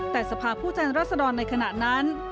แต่สภาพผู้แทนรัศดรในขณะนั้น